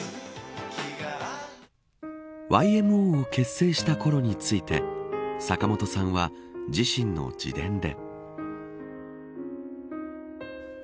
ＹＭＯを結成したころについて坂本さんは自身の自伝で。